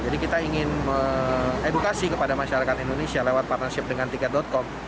jadi kita ingin edukasi kepada masyarakat indonesia lewat partnership dengan ticket com